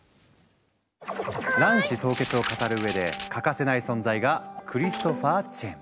卵子凍結を語る上で欠かせない存在がクリストファー・チェン。